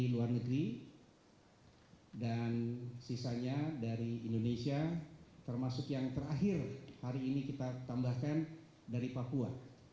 luar negeri dan sisanya dari indonesia termasuk yang terakhir hari ini kita tambahkan dari papua